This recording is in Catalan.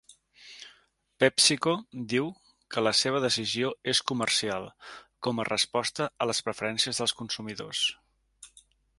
PepsiCo diu que la seva decisió és comercial, com a resposta a les preferències dels consumidors.